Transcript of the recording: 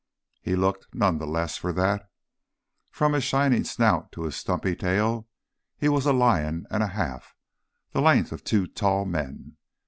He looked none the less for that. From his shining snout to his stumpy tail he was a lion and a half, the length of two tall men.